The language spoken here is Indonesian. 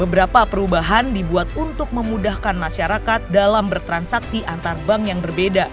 beberapa perubahan dibuat untuk memudahkan masyarakat dalam bertransaksi antar bank yang berbeda